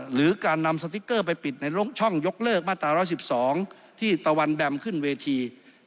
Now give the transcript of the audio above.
หรือการนำสติ๊กเกอร์ไปปิดในช่องยกเลิกมาตรา๑๑๒ที่ตะวันแบมขึ้นเวที